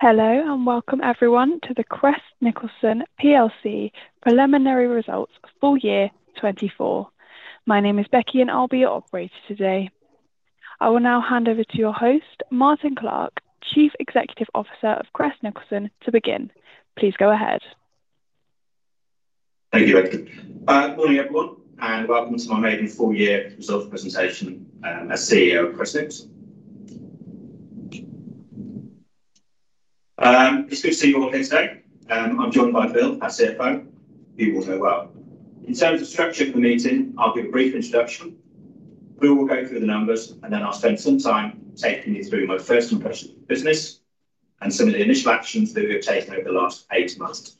Hello and welcome everyone to the Crest Nicholson PLC preliminary results for year 2024. My name is Becky and I'll be your operator today. I will now hand over to your host, Martyn Clark, Chief Executive Officer of Crest Nicholson, to begin. Please go ahead. Thank you, Becky. Good morning everyone and welcome to my full-year results presentation as CEO of Crest Nicholson. It's good to see you all here today. I'm joined by Bill, our CFO, who you all know well. In terms of structure of the meeting, I'll give a brief introduction. We will go through the numbers and then I'll spend some time taking you through my first impression of the business and some of the initial actions that we have taken over the last eight months.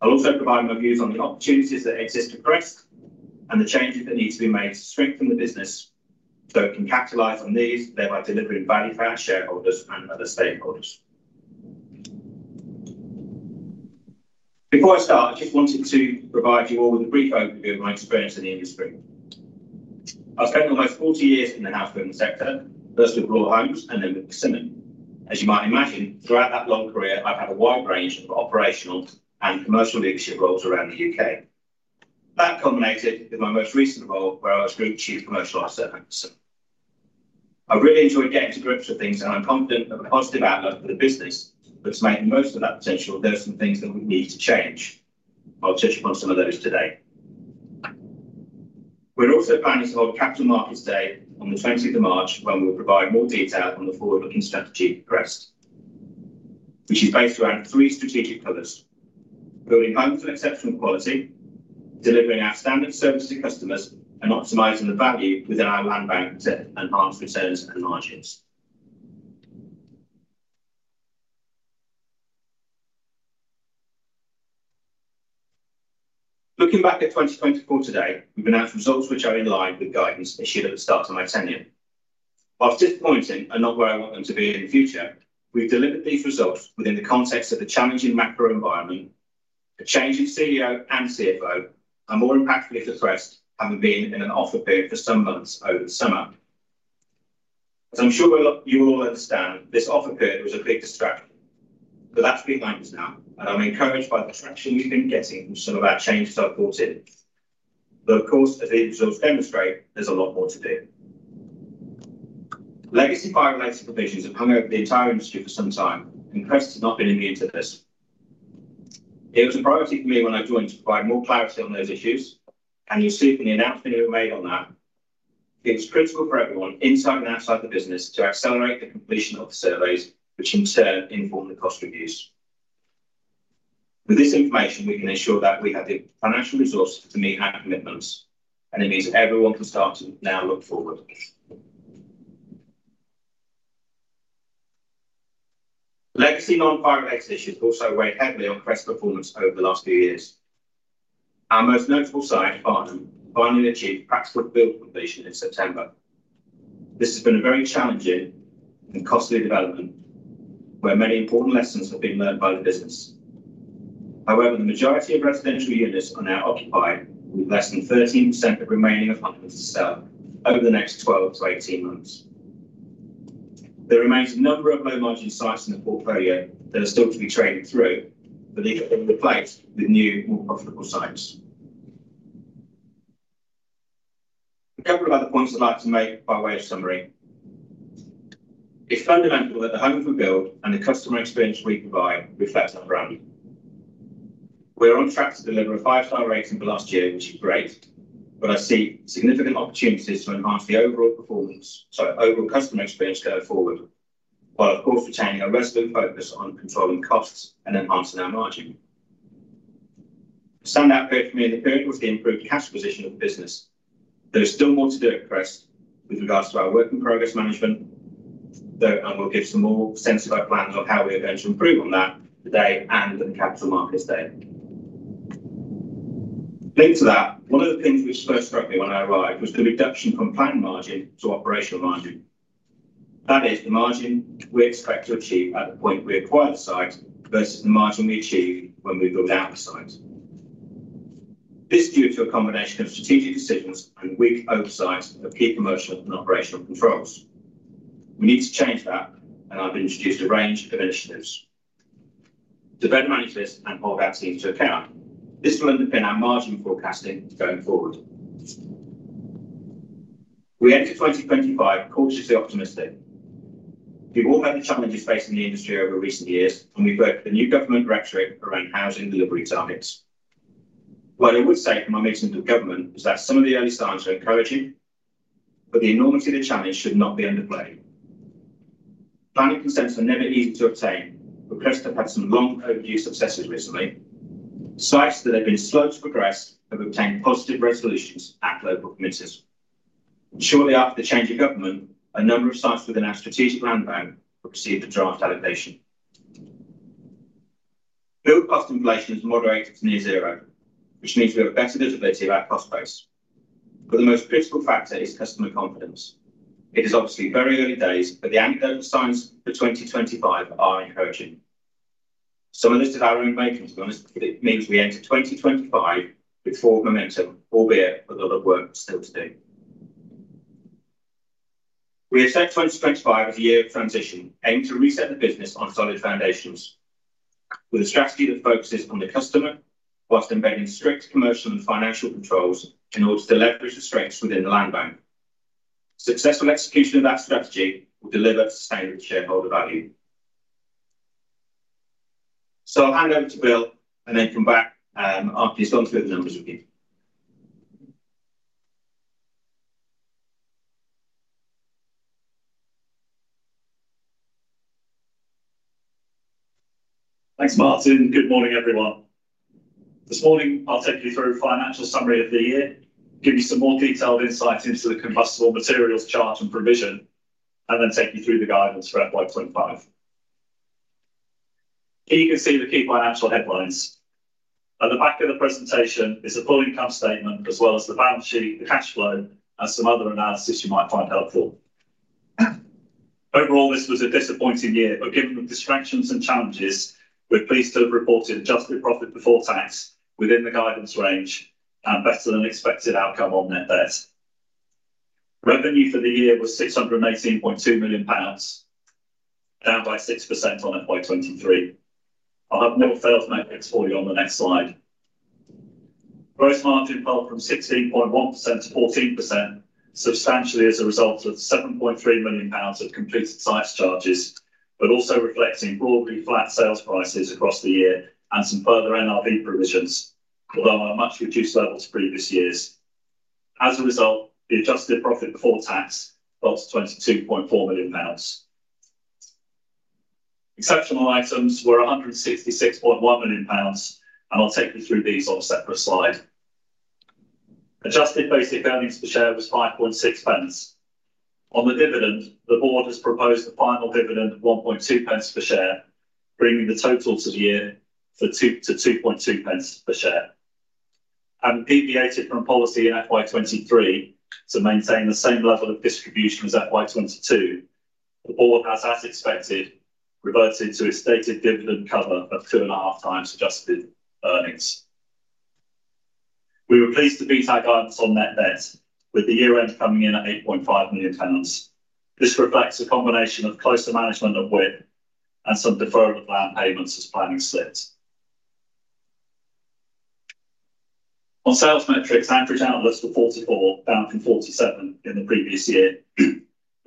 I'll also provide my views on the opportunities that exist at Crest and the changes that need to be made to strengthen the business so it can capitalize on these, thereby delivering value for our shareholders and other stakeholders. Before I start, I just wanted to provide you all with a brief overview of my experience in the industry. I've spent almost 40 years in the housing sector, first with Bloor Homes and then with Persimmon. As you might imagine, throughout that long career, I've had a wide range of operational and commercial leadership roles around the U.K. That culminated with my most recent role where I was Group Chief Commercial Officer at Crest Nicholson. I really enjoyed getting to grips with things and I'm confident of a positive outlook for the business, but to make the most of that potential, there are some things that we need to change. I'll touch upon some of those today. We're also planning to hold Capital Markets Day on the 20th of March when we'll provide more detail on the forward-looking strategy for Crest, which is based around three strategic pillars: building homes of exceptional quality, delivering our standard services to customers, and optimizing the value within our land bank to enhance returns and margins. Looking back at 2024 today, we've announced results which are in line with guidance issued at the start of my tenure. Whilst disappointing and not where I want them to be in the future, we've delivered these results within the context of a challenging macro environment, a change in CEO and CFO, and more impactfully for Crest having been in an offer period for some months over the summer. As I'm sure you all understand, this offer period was a big distraction, but that's behind us now and I'm encouraged by the traction we've been getting from some of our changes I've brought in. But of course, as these results demonstrate, there's a lot more to do. Legacy fire-related provisions have hung over the entire industry for some time and Crest has not been immune to this. It was a priority for me when I joined to provide more clarity on those issues, and you'll see from the announcement we made on that, it was critical for everyone inside and outside the business to accelerate the completion of the surveys, which in turn inform the cost reviews. With this information, we can ensure that we have the financial resources to meet our commitments, and it means everyone can start to now look forward. Legacy non-fire-related issues also weighed heavily on Crest's performance over the last few years. Our most notable site, Farnham, finally achieved practical build completion in September. This has been a very challenging and costly development where many important lessons have been learned by the business. However, the majority of residential units are now occupied with less than 13% of remaining apartments to sell over the next 12-18 months. There remains a number of low-margin sites in the portfolio that are still to be traded through, but these will be replaced with new, more profitable sites. A couple of other points I'd like to make by way of summary. It's fundamental that the homes we build and the customer experience we provide reflect our brand. We're on track to deliver a five-star rating for last year, which is great, but I see significant opportunities to enhance the overall performance, sorry, overall customer experience going forward, while of course retaining a resolute focus on controlling costs and enhancing our margin. A standout period for me in the period was the improved cash position of the business. There is still more to do at Crest with regards to our work in progress management, though I will give some more sensible plans on how we are going to improve on that today and the capital markets day. Linked to that, one of the things which first struck me when I arrived was the reduction from planned margin to operational margin. That is the margin we expect to achieve at the point we acquire the site versus the margin we achieve when we build out the site. This is due to a combination of strategic decisions and weak oversight of key commercial and operational controls. We need to change that, and I've introduced a range of initiatives to better manage this and hold our teams to account. This will underpin our margin forecasting going forward. We enter 2025 cautiously optimistic. We've all met the challenges facing the industry over recent years, and we've worked with the new government directorate around housing delivery targets. What I would say from my meeting with the government is that some of the early signs are encouraging, but the enormity of the challenge should not be underplayed. Planning consents are never easy to obtain, but Crest have had some long overdue successes recently. Sites that have been slow to progress have obtained positive resolutions at local committees. Shortly after the change of government, a number of sites within our strategic land bank have received a draft allocation. Build cost inflation is moderated to near zero, which means we have better visibility of our cost base. But the most critical factor is customer confidence. It is obviously very early days, but the anecdotal signs for 2025 are encouraging. Some of this is our own making, to be honest, but it means we enter 2025 with forward momentum, albeit with a lot of work still to do. We have set 2025 as a year of transition aimed to reset the business on solid foundations with a strategy that focuses on the customer whilst embedding strict commercial and financial controls in order to leverage the strengths within the land bank. Successful execution of that strategy will deliver sustainable shareholder value. So I'll hand over to Bill and then come back after he's gone through the numbers with you. Thanks, Martyn. Good morning, everyone. This morning I'll take you through a financial summary of the year, give you some more detailed insights into the combustible materials charge and provision, and then take you through the guidance for FY 2025. Here you can see the key financial headlines. At the back of the presentation is a full income statement as well as the balance sheet, the cash flow, and some other analysis you might find helpful. Overall, this was a disappointing year, but given the distractions and challenges, we're pleased to have reported adjusted profit before tax within the guidance range and better than expected outcome on net debt. Revenue for the year was 618.2 million pounds, down by 6% on FY 2023. I'll have more sales metrics for you on the next slide. Gross margin fell from 16.1%-14%, substantially as a result of 7.3 million pounds of combustible materials charges, but also reflecting broadly flat sales prices across the year and some further NRV provisions, although on a much reduced level to previous years. As a result, the adjusted profit before tax fell to 22.4 million pounds. Exceptional items were 166.1 million pounds, and I'll take you through these on a separate slide. Adjusted basic earnings per share was 5.6 pence. On the dividend, the board has proposed a final dividend of 1.2 pence per share, bringing the total to the year to 2.2 pence per share. Having deviated from policy in FY 2023 to maintain the same level of distribution as FY 2022, the board has, as expected, reverted to a stated dividend cover of two and a half times adjusted earnings. We were pleased to meet our guidance on net debt, with the year end coming in at 8.5 million pounds. This reflects a combination of closer management of WIP and some deferral of land payments as planning slipped. On sales metrics, average outlets were 44, down from 47 in the previous year, with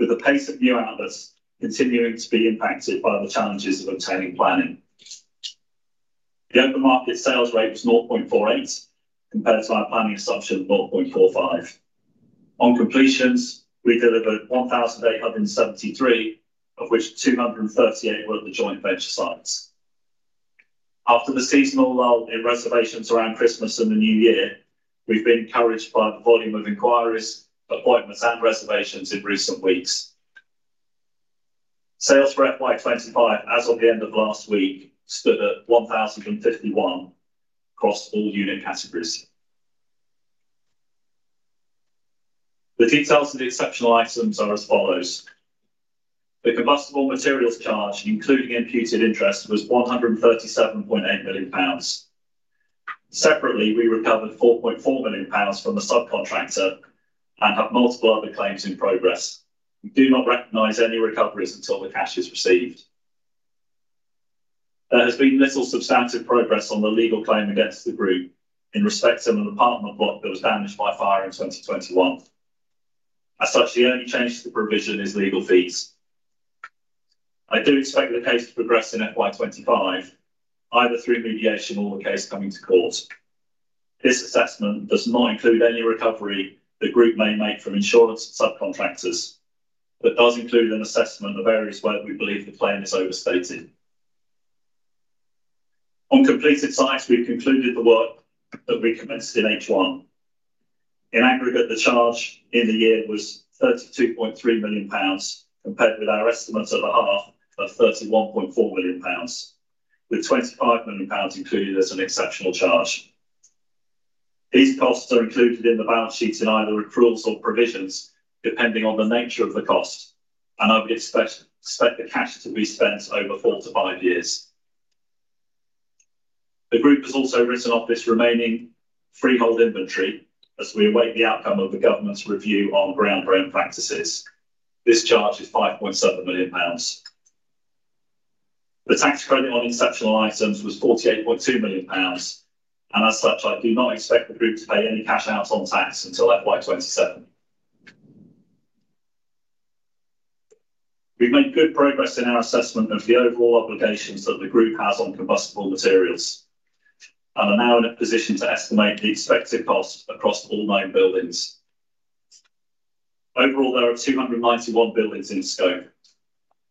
the pace of new outlets continuing to be impacted by the challenges of obtaining planning. The open market sales rate was 0.48 compared to our planning assumption of 0.45. On completions, we delivered 1,873, of which 238 were at the joint venture sites. After the seasonal lull in reservations around Christmas and the new year, we've been encouraged by the volume of inquiries, appointments, and reservations in recent weeks. Sales for FY 2025, as of the end of last week, stood at 1,051 across all unit categories. The details of the exceptional items are as follows. The combustible materials charge, including imputed interest, was 137.8 million pounds. Separately, we recovered 4.4 million pounds from the subcontractor and have multiple other claims in progress. We do not recognize any recoveries until the cash is received. There has been little substantive progress on the legal claim against the group in respect of an apartment block that was damaged by fire in 2021. As such, the only change to the provision is legal fees. I do expect the case to progress in FY 2025, either through mediation or the case coming to court. This assessment does not include any recovery the group may make from insurance subcontractors, but does include an assessment of areas where we believe the claim is overstated. On completed sites, we've concluded the work that we commenced in H1. In aggregate, the charge in the year was 32.3 million pounds compared with our estimate of a half of 31.4 million pounds, with 25 million pounds included as an exceptional charge. These costs are included in the balance sheet in either accruals or provisions, depending on the nature of the cost, and I would expect the cash to be spent over four to five years. The group has also written off this remaining freehold inventory as we await the outcome of the government's review on ground rent practices. This charge is 5.7 million pounds. The tax credit on exceptional items was 48.2 million pounds, and as such, I do not expect the group to pay any cash out on tax until FY 2027. We've made good progress in our assessment of the overall obligations that the group has on combustible materials and are now in a position to estimate the expected cost across all nine buildings. Overall, there are 291 buildings in scope.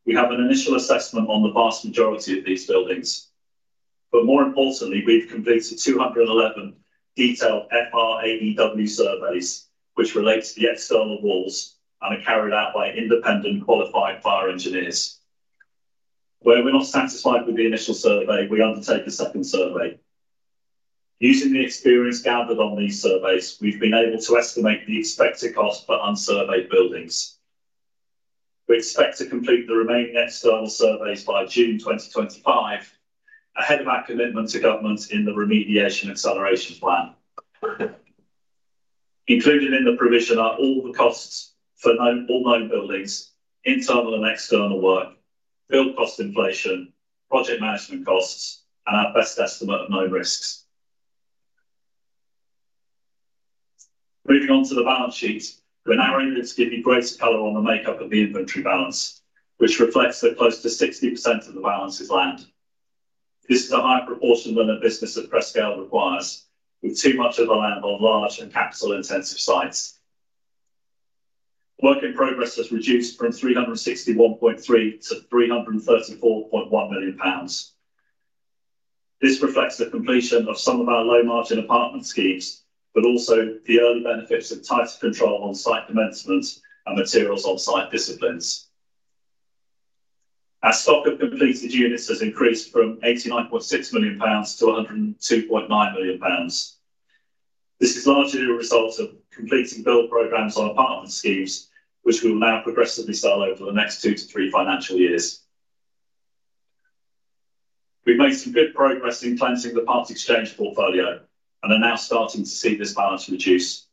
We have an initial assessment on the vast majority of these buildings, but more importantly, we've completed 211 detailed FRAEW surveys, which relate to the external walls and are carried out by independent qualified fire engineers. Where we're not satisfied with the initial survey, we undertake a second survey. Using the experience gathered on these surveys, we've been able to estimate the expected cost for unsurveyed buildings. We expect to complete the remaining external surveys by June 2025 ahead of our commitment to government in the Remediation Acceleration Plan. Included in the provision are all the costs for all nine buildings, internal and external work, build cost inflation, project management costs, and our best estimate of known risks. Moving on to the balance sheet, we're now able to give you greater color on the makeup of the inventory balance, which reflects that close to 60% of the balance is land. This is a higher proportion than the business of Crest Nicholson requires, with too much of the land on large and capital-intensive sites. Work in progress has reduced from 361.3 million-334.1 million pounds. This reflects the completion of some of our low-margin apartment schemes, but also the early benefits of tighter control on site commencements and materials on site disciplines. Our stock of completed units has increased from 89.6 million-102.9 million pounds. This is largely a result of completing build programs on apartment schemes, which we will now progressively sell over the next two to three financial years. We've made some good progress in cleansing the Part Exchange portfolio and are now starting to see this balance reduce.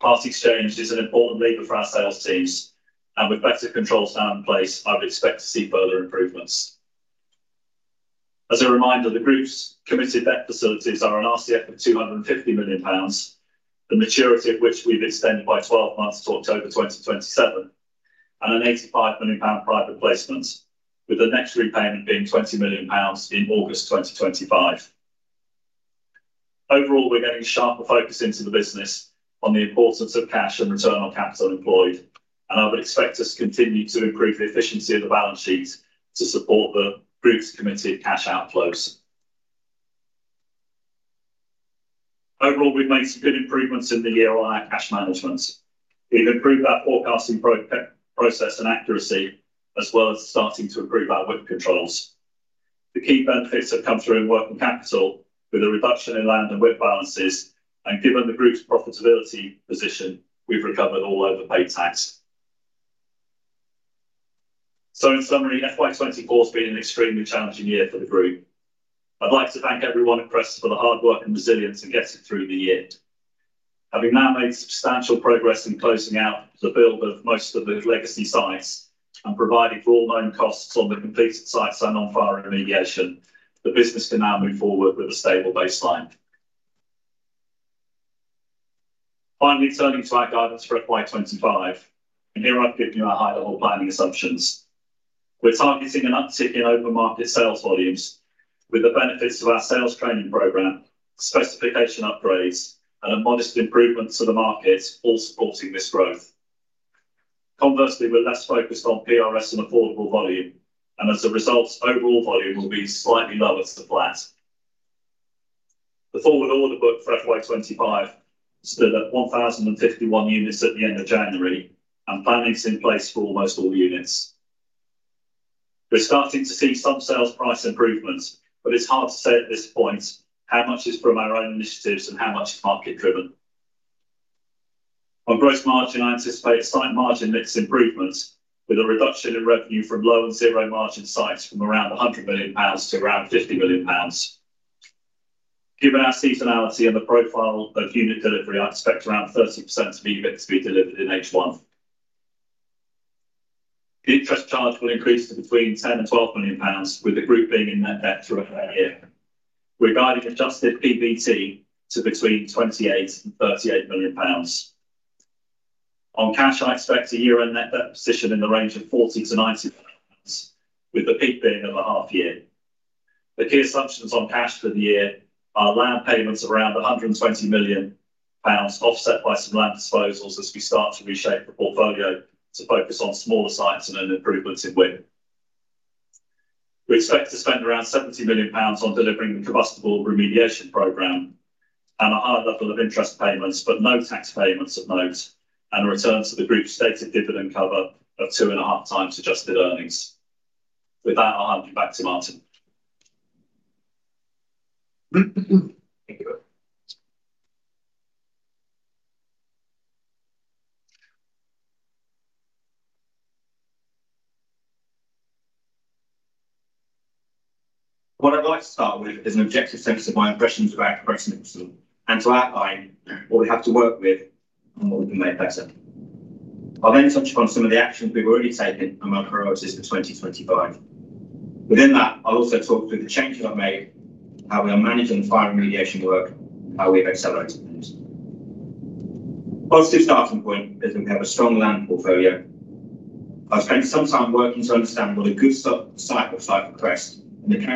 Parts exchange is an important lever for our sales teams, and with better controls now in place, I would expect to see further improvements. As a reminder, the group's committed debt facilities are an RCF of 250 million pounds, the maturity of which we've extended by 12 months to October 2027, and a 85 million private placement, with the next repayment being 20 million pounds in August 2025. Overall, we're getting sharper focus into the business on the importance of cash and return on capital employed, and I would expect us to continue to improve the efficiency of the balance sheet to support the group's committed cash outflows. Overall, we've made some good improvements in the year on our cash management. We've improved our forecasting process and accuracy, as well as starting to improve our WIP controls. The key benefits have come through in working capital, with a reduction in land and WIP balances, and given the group's profitability position, we've recovered all overpaid tax. So, in summary, FY 2024 has been an extremely challenging year for the group. I'd like to thank everyone at Crest for the hard work and resilience in getting through the year. Having now made substantial progress in closing out the build of most of the legacy sites and providing for all known costs on the completed sites and on fire remediation, the business can now move forward with a stable baseline. Finally, turning to our guidance for FY 2025, and here I've given you our high-level planning assumptions. We're targeting an uptick in open market sales volumes, with the benefits of our sales training program, specification upgrades, and a modest improvement to the markets all supporting this growth. Conversely, we're less focused on PRS and affordable volume, and as a result, overall volume will be slightly lower to flat. The forward order book for FY 2025 stood at 1,051 units at the end of January, and planning is in place for almost all units. We're starting to see some sales price improvements, but it's hard to say at this point how much is from our own initiatives and how much is market-driven. On gross margin, I anticipate site margin mix improvements, with a reduction in revenue from low and zero margin sites from around 100 million pounds to around 50 million pounds. Given our seasonality and the profile of unit delivery, I expect around 30% of EBIT to be delivered in H1. The interest charge will increase to between 10 million and 12 million pounds, with the group being in net debt throughout the year. We're guiding adjusted EBIT to between 28 million and 38 million pounds. On cash, I expect a year end net debt position in the range of 40 million to 90 million pounds, with the peak being over half a year. The key assumptions on cash for the year are land payments of around 120 million pounds, offset by some land disposals as we start to reshape the portfolio to focus on smaller sites and improvements in WIP. We expect to spend around 70 million pounds on delivering the combustible remediation program and a higher level of interest payments, but no tax payments of note, and return to the group's stated dividend cover of 2.5x adjusted earnings. With that, I'll hand you back to Martyn. What I'd like to start with is an objective take to my impressions about Crest Nicholson and to outline what we have to work with and what we can make better. I'll then touch upon some of the actions we've already taken and my priorities for 2025. Within that, I'll also talk through the changes I've made, how we are managing the fire remediation work, and how we've accelerated things. A positive starting point is that we have a strong land portfolio. I've spent some time working to understand what a good site looks like for Crest and the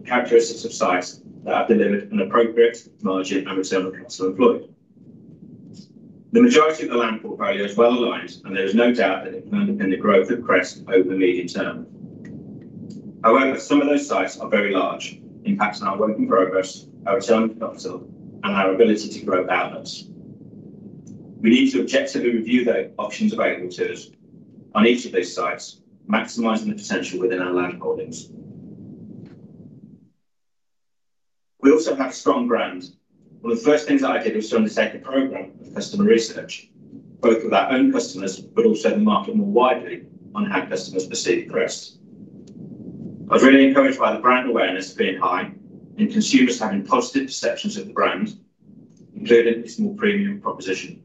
characteristics of sites that have delivered an appropriate margin and return on capital employed. The majority of the land portfolio is well aligned, and there is no doubt that it can underpin the growth of Crest over the medium term. However, some of those sites are very large, impacting our work in progress, our return on capital, and our ability to grow outlets. We need to objectively review the options available to us on each of these sites, maximizing the potential within our land holdings. We also have a strong brand. One of the first things that I did was to undertake a program of customer research, both with our own customers but also the market more widely on how customers perceive Crest. I was really encouraged by the brand awareness being high and consumers having positive perceptions of the brand, including its more premium proposition.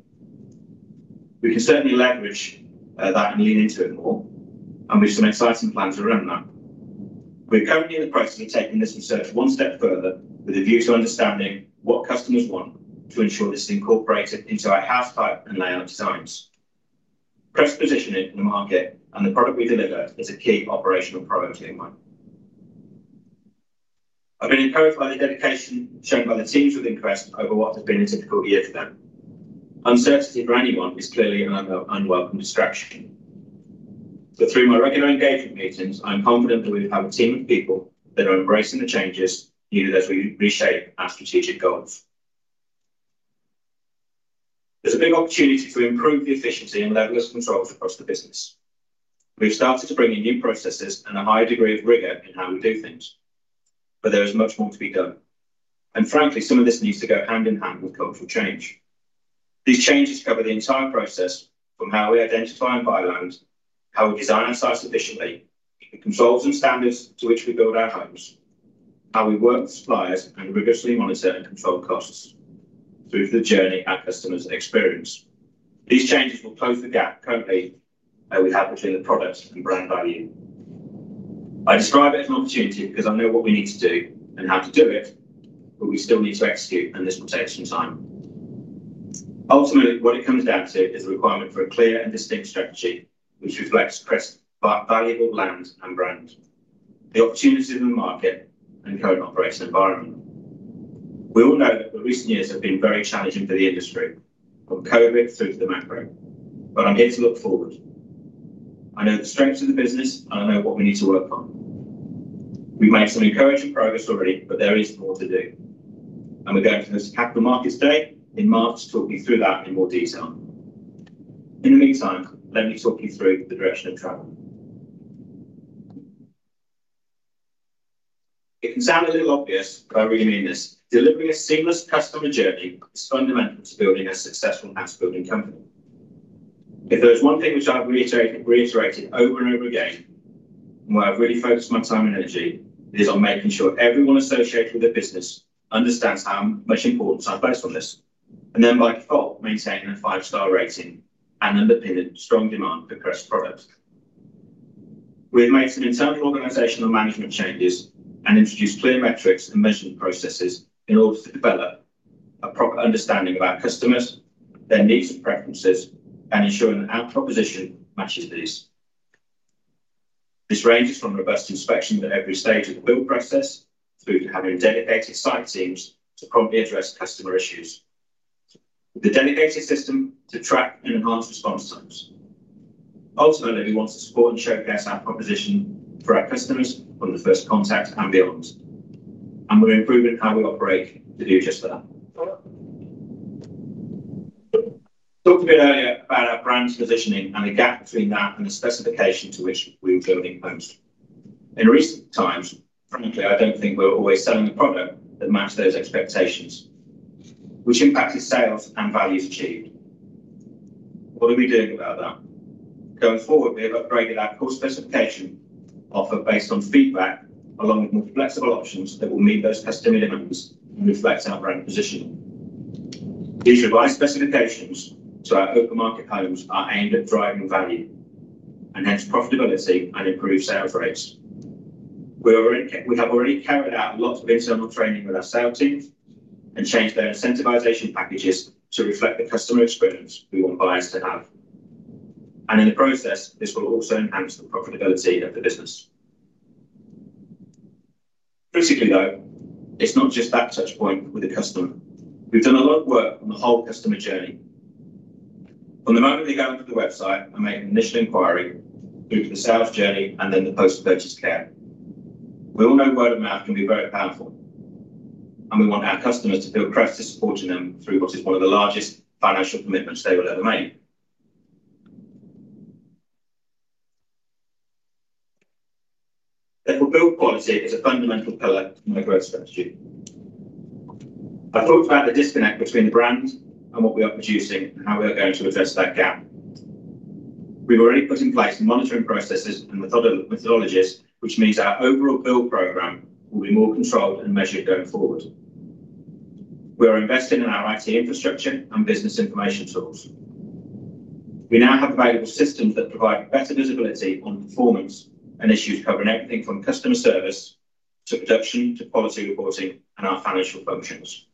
We can certainly leverage that and lean into it more, and we have some exciting plans around that. We're currently in the process of taking this research one step further with a view to understanding what customers want to ensure this is incorporated into our house type and layout designs. Crest's position in the market and the product we deliver is a key operational priority in mind. I've been encouraged by the dedication shown by the teams within Crest over what has been a difficult year for them. Uncertainty for anyone is clearly an unwelcome distraction. But through my regular engagement meetings, I'm confident that we will have a team of people that are embracing the changes needed as we reshape our strategic goals. There's a big opportunity to improve the efficiency and level of control across the business. We've started to bring in new processes and a higher degree of rigor in how we do things, but there is much more to be done, and frankly, some of this needs to go hand in hand with cultural change. These changes cover the entire process from how we identify and buy land, how we design our sites efficiently, the controls and standards to which we build our homes, how we work with suppliers, and rigorously monitor and control costs through the journey our customers experience. These changes will close the gap currently that we have between the product and brand value. I describe it as an opportunity because I know what we need to do and how to do it, but we still need to execute, and this will take some time. Ultimately, what it comes down to is the requirement for a clear and distinct strategy, which reflects Crest's valuable land and brand, the opportunities in the market, and current operating environment. We all know that the recent years have been very challenging for the industry, from COVID through to the macro, but I'm here to look forward. I know the strengths of the business, and I know what we need to work on. We've made some encouraging progress already, but there is more to do, and we're going to the Capital Markets Day in March to talk you through that in more detail. In the meantime, let me talk you through the direction of travel. It can sound a little obvious, but I really mean this. Delivering a seamless customer journey is fundamental to building a successful house-building company. If there is one thing which I've reiterated over and over again, and where I've really focused my time and energy, it is on making sure everyone associated with the business understands how much importance I place on this, and then by default maintaining a Five-Star Rating and underpinning strong demand for Crest's product. We've made some internal organizational management changes and introduced clear metrics and measurement processes in order to develop a proper understanding of our customers, their needs and preferences, and ensuring that our proposition matches these. This ranges from robust inspection at every stage of the build process through to having dedicated site teams to promptly address customer issues, with a dedicated system to track and enhance response times. Ultimately, we want to support and showcase our proposition for our customers from the first contact and beyond, and we're improving how we operate to do just that. Talked a bit earlier about our brand's positioning and the gap between that and the specification to which we were building homes. In recent times, frankly, I don't think we're always selling a product that matched those expectations, which impacted sales and values achieved. What are we doing about that? Going forward, we have upgraded our core specification offer based on feedback, along with more flexible options that will meet those customer demands and reflect our brand position. These revised specifications to our open market homes are aimed at driving value and hence profitability and improved sales rates. We have already carried out lots of internal training with our sales teams and changed their incentivization packages to reflect the customer experience we want buyers to have. And in the process, this will also enhance the profitability of the business. Critically, though, it's not just that touchpoint with the customer. We've done a lot of work on the whole customer journey. From the moment they go onto the website and make an initial inquiry through to the sales journey and then the post-purchase care, we all know word of mouth can be very powerful, and we want our customers to feel Crest is supporting them through what is one of the largest financial commitments they will ever make. Therefore, build quality is a fundamental pillar in our growth strategy. I talked about the disconnect between the brand and what we are producing and how we are going to address that gap. We've already put in place monitoring processes and methodologies, which means our overall build program will be more controlled and measured going forward. We are investing in our IT infrastructure and business information tools. We now have available systems that provide better visibility on performance and issues covering everything from customer service to production to quality reporting and our financial functions.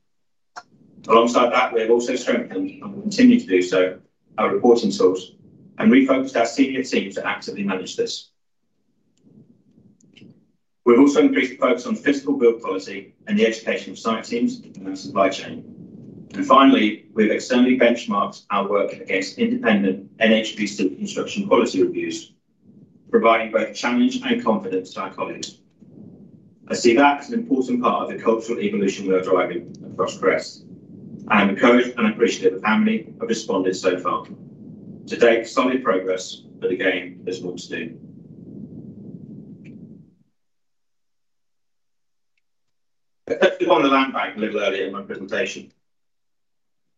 Alongside that, we have also strengthened, and we'll continue to do so, our reporting tools and refocused our senior teams to actively manage this. We've also increased the focus on physical build quality and the education of site teams and our supply chain, and finally, we've externally benchmarked our work against independent NHBC construction quality reviews, providing both challenge and confidence to our colleagues. I see that as an important part of the cultural evolution we're driving across Crest, and I'm encouraged and appreciative of how many have responded so far. To date, solid progress, but again, there's more to do. I touched upon the land bank a little earlier in my presentation.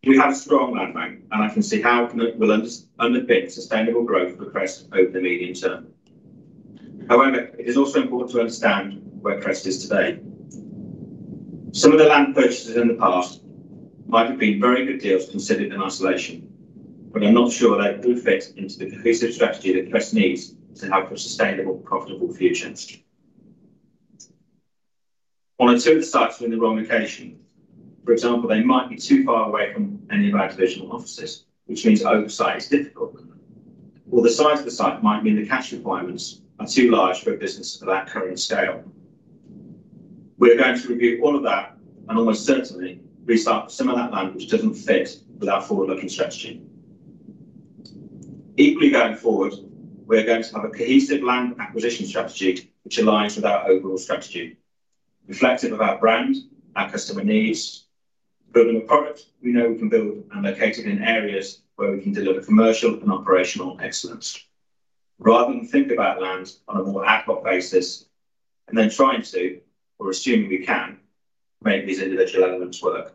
We have a strong land bank, and I can see how it will underpin sustainable growth for Crest over the medium term. However, it is also important to understand where Crest is today. Some of the land purchases in the past might have been very good deals considered in isolation, but I'm not sure they fit into the cohesive strategy that Crest needs to have a sustainable, profitable future. One or two of the sites are in the wrong location. For example, they might be too far away from any of our divisional offices, which means oversight is difficult. Or the size of the site might mean the cash requirements are too large for a business of that current scale. We are going to review all of that, and almost certainly, we start with some of that land which doesn't fit with our forward-looking strategy. Equally going forward, we are going to have a cohesive land acquisition strategy which aligns with our overall strategy, reflective of our brand, our customer needs, building a product we know we can build, and located in areas where we can deliver commercial and operational excellence. Rather than think about land on a more ad hoc basis and then trying to, or assuming we can, make these individual elements work.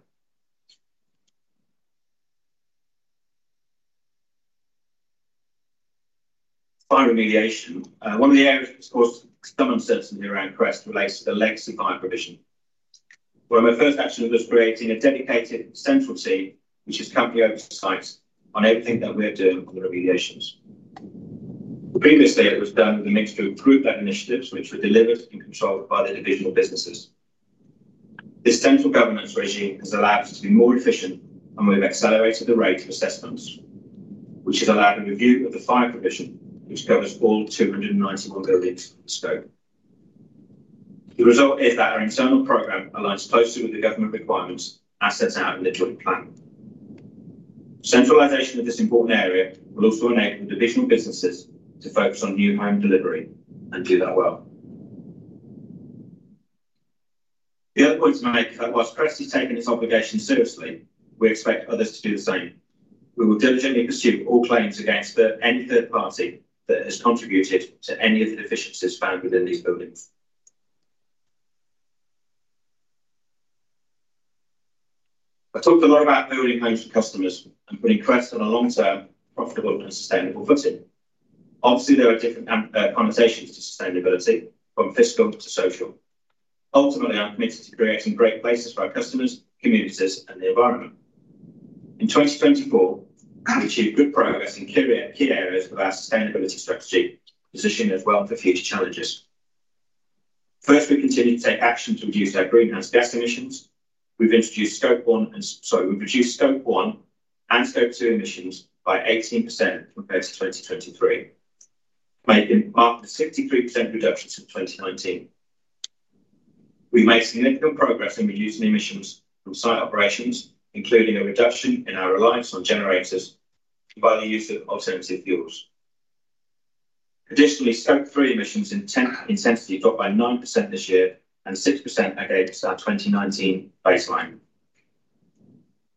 Fire remediation, one of the areas that has caused some uncertainty around Crest, relates to the legacy fire provision. When my first action was creating a dedicated central team, which is currently oversight on everything that we're doing on the remediations. Previously, it was done with a mixture of group-led initiatives which were delivered and controlled by the divisional businesses. This central governance regime has allowed us to be more efficient, and we've accelerated the rate of assessments, which has allowed a review of the fire provision, which covers all 291 buildings in scope. The result is that our internal program aligns closely with the government requirements as set out in the joint plan. Centralization of this important area will also enable divisional businesses to focus on new home delivery and do that well. The other point to make is that while Crest is taking its obligations seriously, we expect others to do the same. We will diligently pursue all claims against any third party that has contributed to any of the deficiencies found within these buildings. I talked a lot about building homes for customers and putting Crest on a long-term, profitable, and sustainable footing. Obviously, there are different connotations to sustainability, from fiscal to social. Ultimately, I'm committed to creating great places for our customers, communities, and the environment. In 2024, we've achieved good progress in key areas of our sustainability strategy, positioning us well for future challenges. First, we continue to take action to reduce our greenhouse gas emissions. We've introduced Scope 1 and, sorry, we've reduced Scope 1 and Scope 2 emissions by 18% compared to 2023, marking a 63% reduction since 2019. We've made significant progress in reducing emissions from site operations, including a reduction in our reliance on generators by the use of alternative fuels. Additionally, Scope 3 emissions intensity dropped by 9% this year and 6% against our 2019 baseline.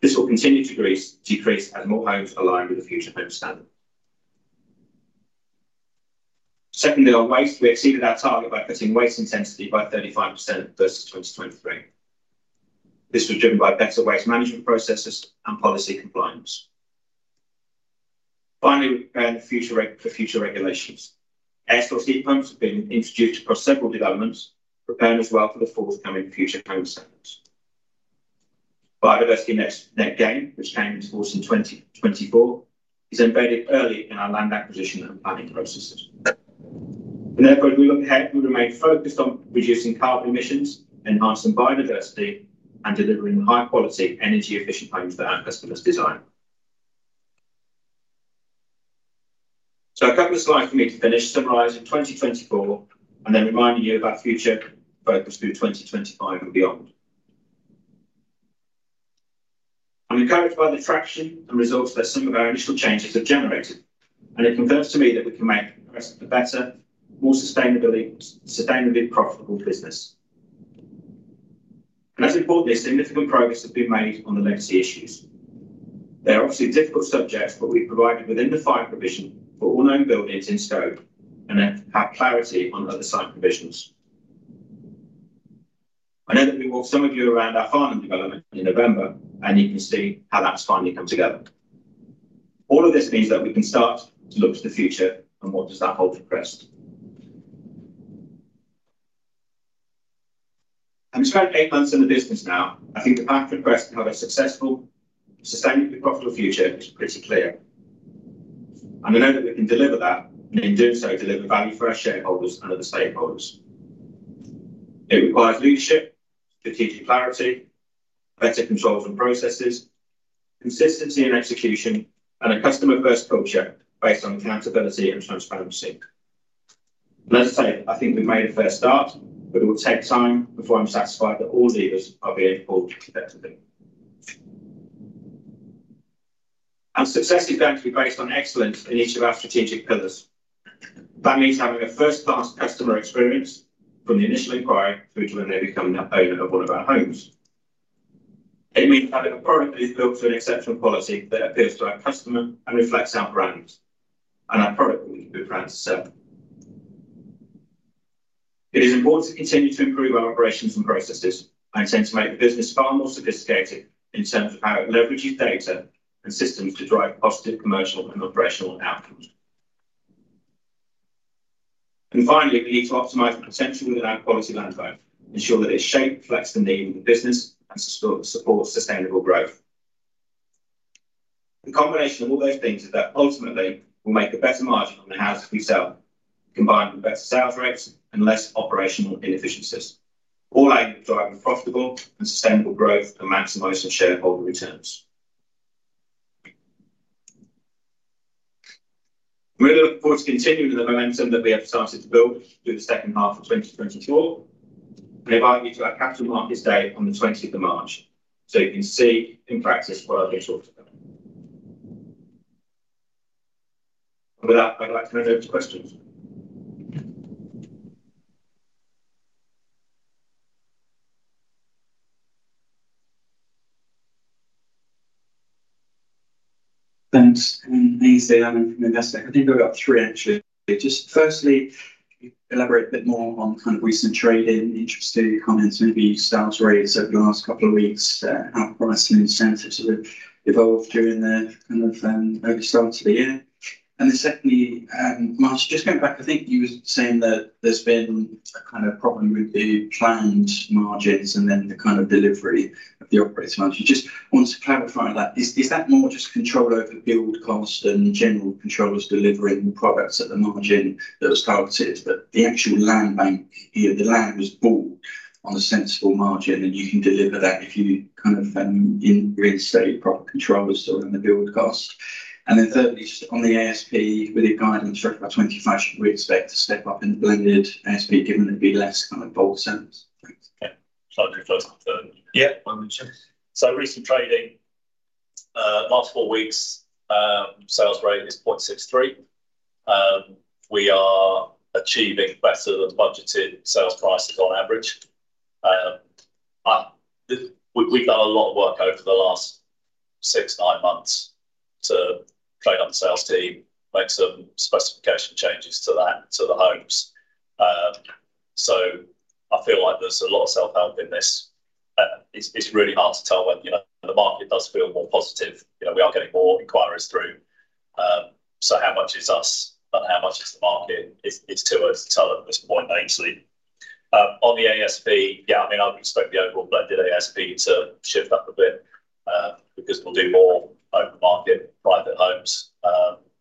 This will continue to decrease as more homes align with the Future Homes Standard. Secondly, on waste, we exceeded our target by cutting waste intensity by 35% versus 2023. This was driven by better waste management processes and policy compliance. Finally, we're preparing for future regulations. Air source heat pumps have been introduced across several developments, preparing as well for the forthcoming Future Homes Standard. Biodiversity Net Gain, which came in force in 2024, is embedded early in our land acquisition and planning processes. And therefore, as we look ahead, we remain focused on reducing carbon emissions, enhancing biodiversity, and delivering high-quality, energy-efficient homes that our customers desire. So a couple of slides for me to finish summarizing 2024 and then reminding you of our future focus through 2025 and beyond. I'm encouraged by the traction and results that some of our initial changes have generated, and it confirms to me that we can make Crest a better, more sustainably profitable business. And as we brought this, significant progress has been made on the legacy issues. They are obviously difficult subjects, but we've provided within the fire provision for all known buildings in scope and have clarity on other site provisions. I know that we walked some of you around our Farnham development in November, and you can see how that's finally come together. All of this means that we can start to look to the future and what does that hold for Crest. I'm describing eight months in the business now. I think the path for Crest to have a successful, sustainably profitable future is pretty clear. And I know that we can deliver that and, in doing so, deliver value for our shareholders and other stakeholders. It requires leadership, strategic clarity, better controls and processes, consistency in execution, and a customer-first culture based on accountability and transparency. And as I say, I think we've made a first start, but it will take time before I'm satisfied that all leaders are being pulled effectively. Our success is going to be based on excellence in each of our strategic pillars. That means having a first-class customer experience from the initial inquiry through to when they become an owner of one of our homes. It means having a product that is built to an exceptional quality that appeals to our customer and reflects our brand and our product that we plan to sell. It is important to continue to improve our operations and processes and tend to make the business far more sophisticated in terms of how it leverages data and systems to drive positive commercial and operational outcomes. And finally, we need to optimize the potential within our quality land bank, ensure that its shape reflects the need of the business, and support sustainable growth. The combination of all those things is that ultimately we'll make a better margin on the houses we sell, combined with better sales rates and less operational inefficiencies, all aimed at driving profitable and sustainable growth and maximizing shareholder returns. I'm really looking forward to continuing the momentum that we have started to build through the second half of 2024, and invite you to our capital markets day on the 20th of March, so you can see in practice what I've been talking about. And with that, I'd like to hand over to questions. Thanks. And [Aynsley Lammin] from Investec. I think we've got three actually. Just firstly, can you elaborate a bit more on the kind of recent trading, interesting comments, maybe sales rates over the last couple of weeks, how price and incentives have evolved during the kind of early start of the year? And then secondly, Martyn, just going back, I think you were saying that there's been a kind of problem with the planned margins and then the kind of delivery of the operating margin. Just want to clarify that. Is that more just control over build cost and general contractors delivering products at the margin that was targeted, but the actual land bank, the land was bought on a sensible margin and you can deliver that if you kind of reinstate proper controls around the build cost? And then thirdly, just on the ASP with the guidance for about 2025, should we expect to step up in the blended ASP given there'd be less kind of bolt sales? Thanks. Yeah. So I'll do first. Yeah. So recent trading, last four weeks, sales rate is 0.63. We are achieving better than budgeted sales prices on average. We've done a lot of work over the last six, nine months to train up the sales team, make some specification changes to the homes. So I feel like there's a lot of self-help in this. It's really hard to tell when the market does feel more positive. We are getting more inquiries through. So how much is us and how much is the market is to us to tell at this point, actually. On the ASP, yeah, I mean, I expect the overall blended ASP to shift up a bit because we'll do more open market private homes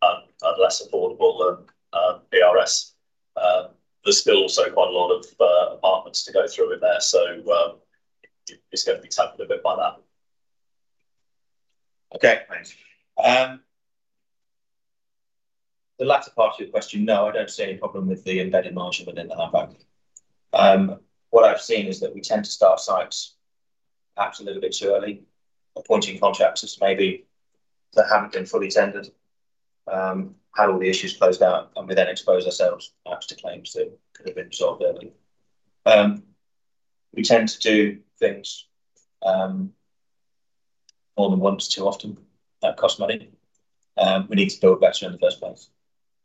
and less affordable than PRS. There's still also quite a lot of apartments to go through in there, so it's going to be tempered a bit by that. Okay. Thanks. The latter part of your question, no, I don't see any problem with the embedded margin within the land bank. What I've seen is that we tend to start sites perhaps a little bit too early, appointing contractors maybe that haven't been fully vetted, had all the issues closed out, and we then expose ourselves perhaps to claims that could have been resolved early. We tend to do things more than once too often that cost money. We need to build better in the first place.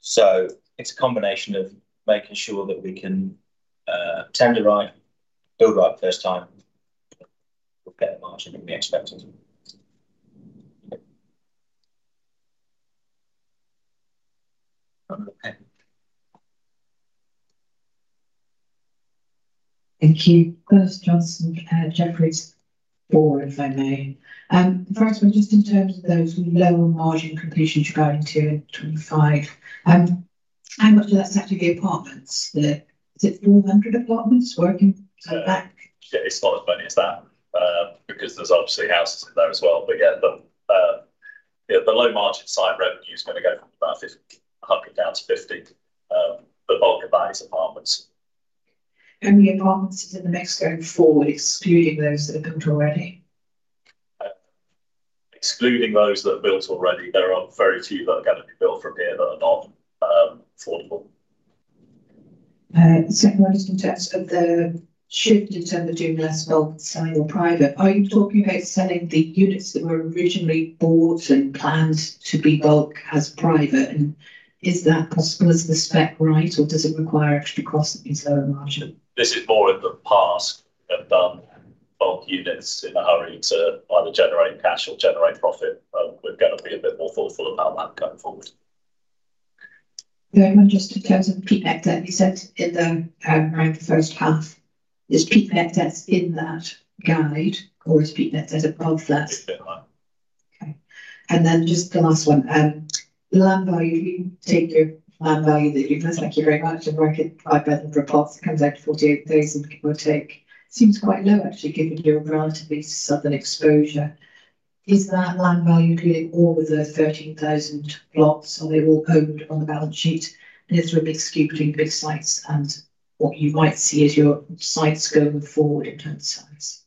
So it's a combination of making sure that we can tender right, build right the first time, get the margin that we expected. Thank you. [Glynis] Johnson, Jefferies, forward, if I may. First, just in terms of those lower margin completions you're going to in 2025, how much of that's actually the apartments? Is it 400 apartments working back? It's not as funny as that because there's obviously houses in there as well. But yeah, the low margin side revenue is going to go from about 100 down to 50. The bulk of that is apartments. How many apartments is in the mix going forward, excluding those that are built already? Excluding those that are built already, there are very few that are going to be built from here that are not affordable. Second question: is it due to doing less bulk selling or private. Are you talking about selling the units that were originally bought and planned to be bulk as private? And is that possible? Is the spec right, or does it require extra costs at these lower margins? This is more of the past of bulk units in a hurry to either generate cash or generate profit. We're going to be a bit more thoughtful about that going forward. Just in terms of the peak net debt, you said in the first half, is peak net debt in that guide, or is peak net debt above that? Bit high. Okay. And then just the last one. Land value, if you take your land value that you've had, thank you very much, and work it by the plots, it comes out to 48,000 give or take. Seems quite low, actually, given your relatively southern exposure. Is that land value, including all of the 13,000 plots, are they all owned on the balance sheet? And is there a big skew between the big sites and what you might see as your sites going forward in terms of size?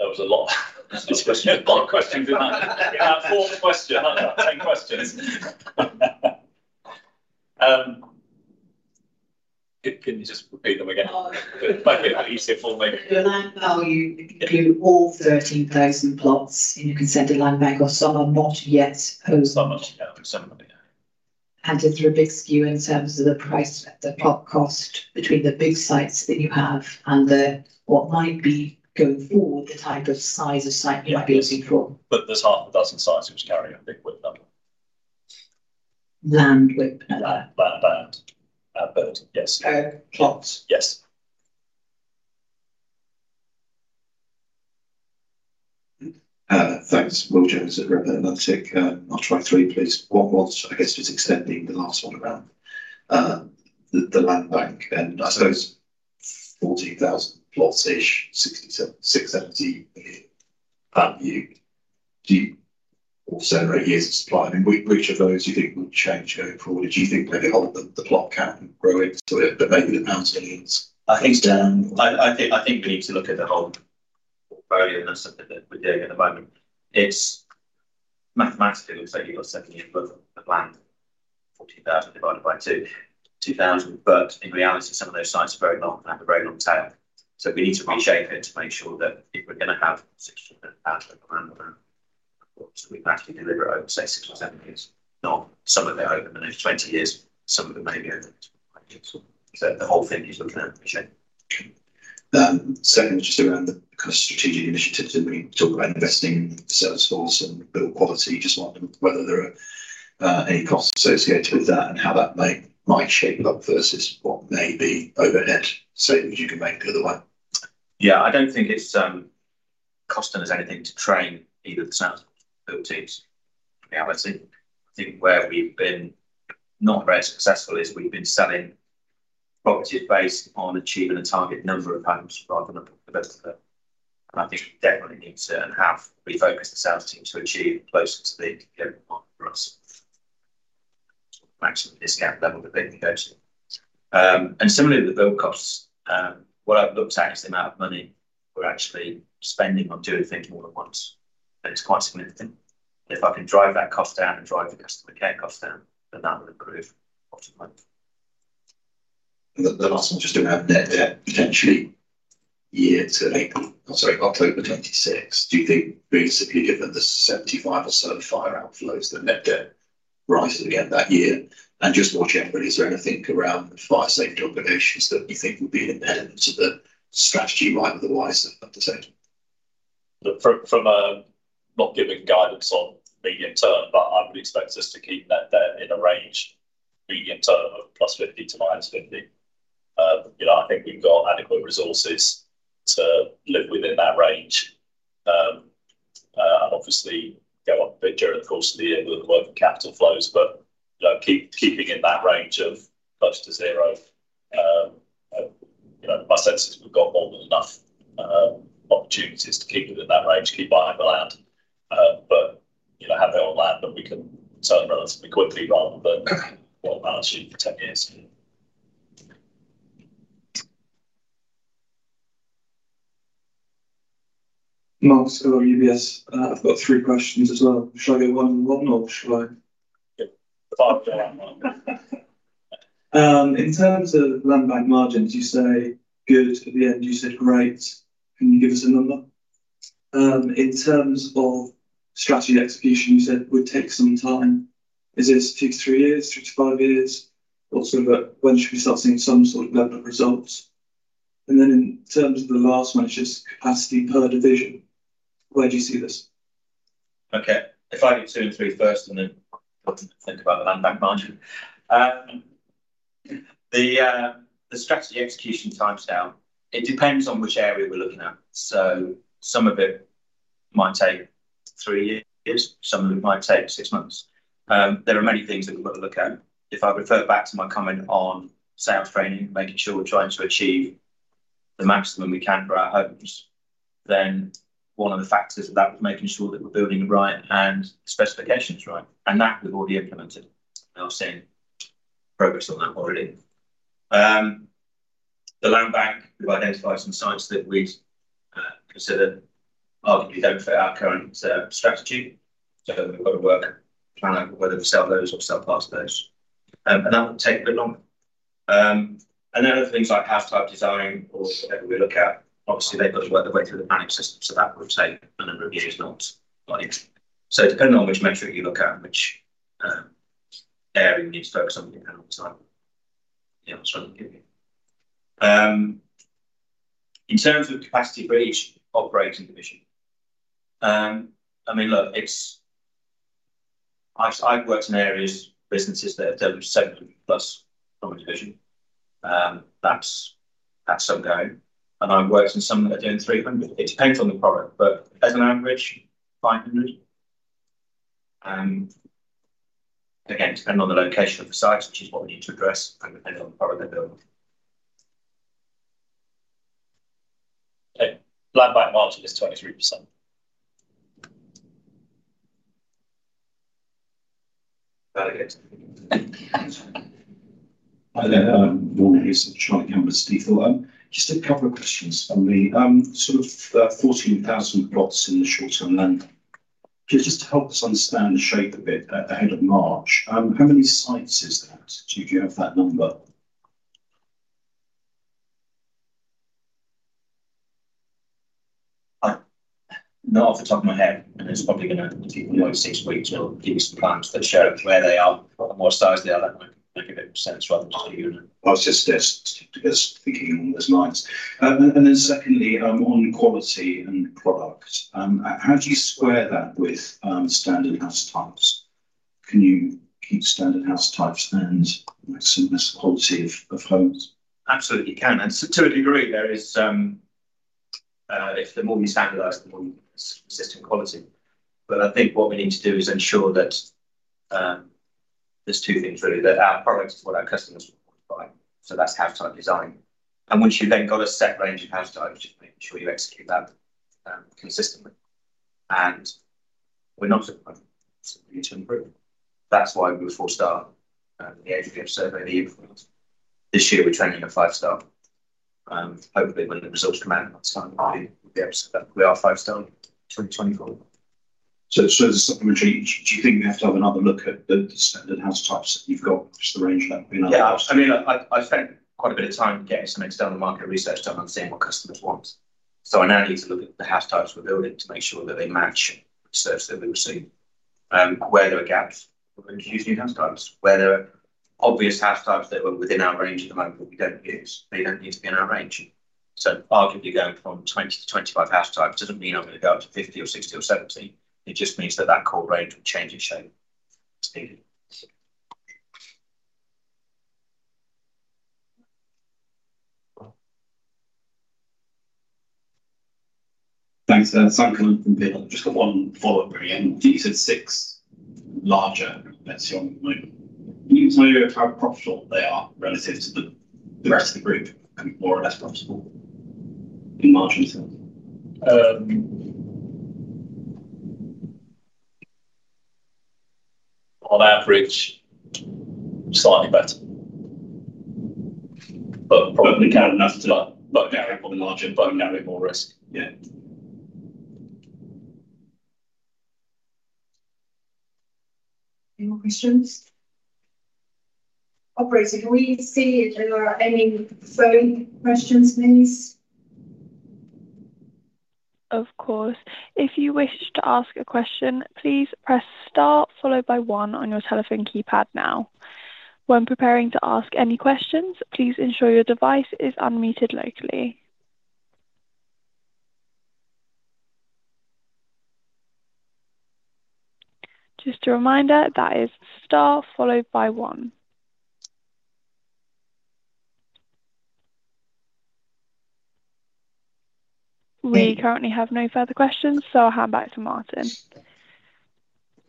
That was a lot of questions. Four questions. That's not 10 questions. Can you just repeat them again? Easier for me. The land value, including all 13,000 plots in your consented land bank, or some are not yet? Some are not yet. And is there a big skew in terms of the price, the plot cost between the big sites that you have and what might be going forward, the type of size of site you might be looking for? But there's half a dozen sites carrying a big WIP number. Land WIP number. Land bank. But yes. Plots. Yes. Thanks. Will Jones at Redburn Atlantic. I'll try three, please. One was, I guess, just extending the last one around years of supply? I mean, which of those do you think will change going forward? Do you think maybe the plot count will grow into it, but maybe the value and the yields? I think we need to look at the whole portfolio and that's something that we're doing at the moment. It mathematically looks like you've got 70 years, but the plan, 40,000 divided by 2,000. But in reality, some of those sites are very long and have a very long tail. So we need to reshape it to make sure that if we're going to have 600 million land around, we can actually deliver over, say, six-seven years. Not some of it open in those 20 years. Some of it may be open in [25 years]. So the whole thing is looking at reshaping. Second, just around the kind of strategic initiatives that we talk about investing in sales force and build quality, just wondering whether there are any costs associated with that and how that might shape it up versus what may be overhead savings you can make the other way. Yeah. I don't think it's costing us anything to train either the sales or the build teams, to be honest. I think where we've been not very successful is we've been selling properties based on achieving a target number of homes rather than the best of them. And I think we definitely need to have refocused the sales team to achieve closer to the end of the month for us. Maximum discount level that they can go to. Similarly, with the build costs, what I've looked at is the amount of money we're actually spending on doing things more than once. It's quite significant. If I can drive that cost down and drive the customer care cost down, then that will improve bottom line. The last one just around net debt, potentially year to October 2026. Do you think, basically, given the 75 or so fire outflows, that net debt rises again that year? And just more generally, is there anything around fire safety obligations that you think would be an impediment to the strategy right otherwise at the table? We're not giving guidance on medium term, but I would expect us to keep net debt in a range medium term of +50 to -50. I think we've got adequate resources to live within that range and obviously go up a bit during the course of the year with the working capital flows, but keeping in that range of close to zero. My sense is we've got more than enough opportunities to keep it in that range, keep buying the land, but have our land that we can sell relatively quickly rather than hold on balance sheet for 10 years. Marcus for UBS, I've got three questions as well. Shall I go one by one, or shall I? Yeah. One by one. In terms of land bank margins, you say good at the end, you said great. Can you give us a number? In terms of strategy execution, you said it would take some time. Is this two to three years, three to five years, or sort of when should we start seeing some sort of level of results? And then in terms of the last one, it's just capacity per division. Where do you see this? Okay. If I do two and three first and then think about the land bank margin. The strategy execution timestamp, it depends on which area we're looking at. So some of it might take three years. Some of it might take six months. There are many things that we've got to look at. If I refer back to my comment on sales training, making sure we're trying to achieve the maximum we can for our homes, then one of the factors of that was making sure that we're building it right and the specifications right. And that we've already implemented. We're seeing progress on that already. The land bank, we've identified some sites that we'd consider arguably don't fit our current strategy. So we've got to work, plan out whether we sell those or sell past those. And that will take a bit longer. And then other things like house type design or whatever we look at, obviously they've got to work their way through the planning system. So that will take a number of years, not quite yet. So depending on which metric you look at and which area you need to focus on, you can have a bit of time. Yeah, that's right. In terms of capacity for each operating division, I mean, look, I've worked in areas, businesses that have done 700 plus from a division. That's some going. And I've worked in some that are doing 300. It depends on the product, but as an average, 500. Again, depending on the location of the sites, which is what we need to address, and depending on the product they're building. Okay. Land bank margin is 23%. Hi there. I'm [Morgan Newson, Charlie [Campbell] of Stifel]. Just a couple of questions from the sort of 14,000 plots in the short-term land. Just to help us understand the shape a bit ahead of March, how many sites is that? Do you have that number? Not off the top of my head. And it's probably going to take another six weeks or give you some plans that show where they are and what size they are that might make a bit more sense rather than just a unit. I was just thinking along those lines. And then secondly, on quality and product, how do you square that with standard house types? Can you keep standard house types and maximum quality of homes? Absolutely can. And to a degree, there is if the more you standardize, the more you get consistent quality. But I think what we need to do is ensure that there's two things really, that our product is what our customers want to buy. So that's house type design. And once you've then got a set range of house types, just making sure you execute that consistently. And we're not simply to improve. That's why we were first to start the HBF survey of the year for it. This year, we're aiming for a five-star. Hopefully, when the results come out next time, we'll be able to say that we are five-star in 2024. So it shows us something which you think we have to have another look at the standard house types that you've got, just the range that we've been able to? Yeah. I mean, I spent quite a bit of time getting some external market research done on seeing what customers want. So I now need to look at the house types we're building to make sure that they match research that we received, where there are gaps for introducing new house types, where there are obvious house types that are within our range at the moment that we don't use. They don't need to be in our range. So arguably going from 20 to 25 house types doesn't mean I'm going to go up to 50 or 60 or 70. It just means that that core range will change its shape. Thanks. Thank you. Just one follow-up, brilliant. You said six larger bets you're on at the moment. Can you tell you how profitable they are relative to the rest of the group, more or less profitable in margin terms? On average, slightly better. But probably [can't enough] to lower down a bit more the margin, but narrow more risk. Yeah. Any more questions? Operator, can we see if there are any phone questions, please? Of course. If you wish to ask a question, please press start followed by one on your telephone keypad now. When preparing to ask any questions, please ensure your device is unmuted locally. Just a reminder, that is star followed by one. We currently have no further questions, so I'll hand back to Martyn.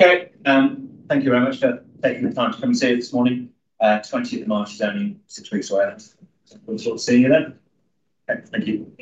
Okay. Thank you very much for taking the time to come and see us this morning. 20th of March is only six weeks away. Look forward to seeing you then. Okay. Thank you.